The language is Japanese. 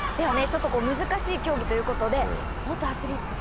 ちょっとこう難しい競技ということで。